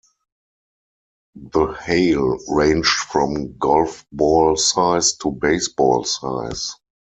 The hail ranged from golf ball-size to baseball-size.